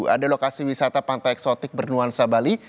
ada lokasi wisata pantai eksotik bernuansa bali